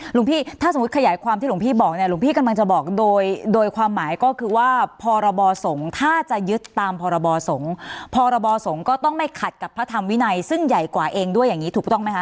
หลวงพี่ถ้าสมมุติขยายความที่หลวงพี่บอกเนี่ยหลวงพี่กำลังจะบอกโดยโดยความหมายก็คือว่าพรบสงฆ์ถ้าจะยึดตามพรบสงฆ์พรบสงฆ์ก็ต้องไม่ขัดกับพระธรรมวินัยซึ่งใหญ่กว่าเองด้วยอย่างนี้ถูกต้องไหมคะ